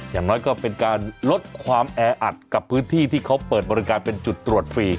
อย่างน้อยก็เป็นการลดความแออัดกับพื้นที่ที่เขาเปิดบริการเป็นจุดตรวจฟรี